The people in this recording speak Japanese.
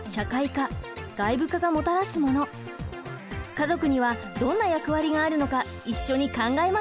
家族にはどんな役割があるのか一緒に考えましょう。